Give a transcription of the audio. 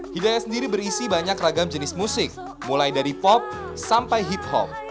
hidayat sendiri berisi banyak ragam jenis musik mulai dari pop sampai hip hop